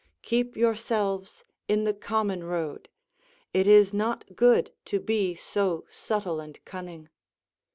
Keep yourselves in the common road; it is not good to be so subtle and cunning.